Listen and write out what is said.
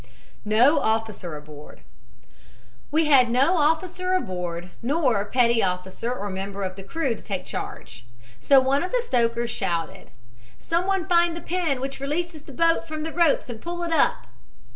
NO OFFICER ABOARD "We had no officer aboard, nor petty officer or member of the crew to take charge. So one of the stokers shouted: 'Someone find the pin which releases the boat from the ropes and pull it up!'